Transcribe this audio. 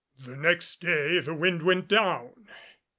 The next day the wind went down.